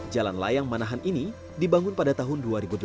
jalan layang manahan ini dibangun pada tahun dua ribu delapan belas